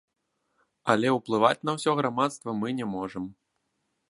Але ўплываць на ўсё грамадства мы не можам.